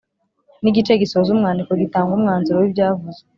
Ni igice gisoza umwandiko gitanga umwanzuro w’ibyavuzwe